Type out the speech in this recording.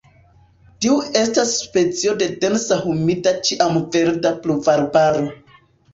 Tiu estas specio de densa humida ĉiamverda pluvarbaro.